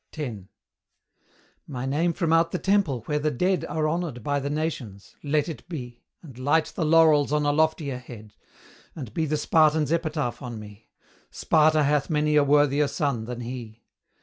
My name from out the temple where the dead Are honoured by the nations let it be And light the laurels on a loftier head! And be the Spartan's epitaph on me 'Sparta hath many a worthier son than he.'